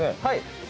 はい。